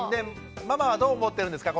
ママはどう思ってるんですか